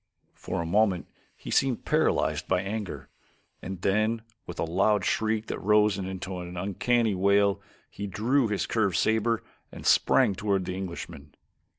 For a moment he seemed paralyzed by anger, and then with a loud shriek that rose into an uncanny wail, he drew his curved saber and sprang toward the Englishman.